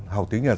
học tiếng nhật